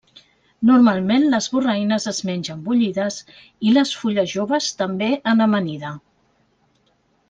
Normalment les borraines es mengen bullides i les fulles joves també en amanida.